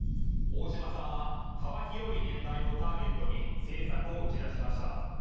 大島さんは幅広い年代をターゲットに政策を打ち出しました。